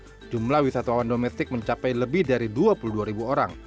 pada tahun dua ribu delapan belas jumlah wisatawan domestik mencapai lebih dari dua puluh dua orang